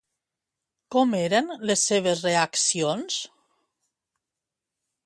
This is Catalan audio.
Com eren les seves reaccions?